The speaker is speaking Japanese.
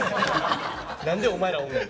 「何でお前らおんねん」